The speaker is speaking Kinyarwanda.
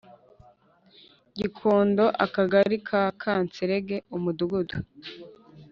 Gikondo Akagari ka Kanserege Umudugudu